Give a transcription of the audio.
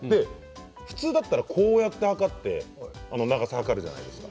普通だったらこうやって測って長さを測るじゃないですか。